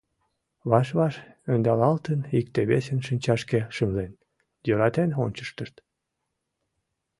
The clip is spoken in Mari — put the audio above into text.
Ваш-ваш ӧндалалтын, икте-весын шинчашке шымлен, йӧратен ончыштыт.